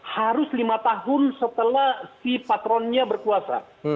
harus lima tahun setelah si patronnya berkuasa